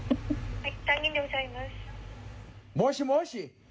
はい。